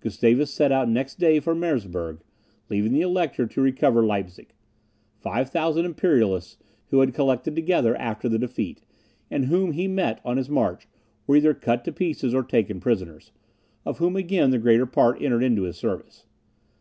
Gustavus set out next day for Merseburg, leaving the Elector to recover Leipzig. Five thousand Imperialists, who had collected together after the defeat, and whom he met on his march, were either cut in pieces or taken prisoners, of whom again the greater part entered into his service.